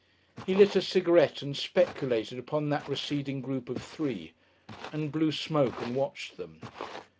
He lit a cigarette and speculated upon that receding group of three, and blew smoke and watched them.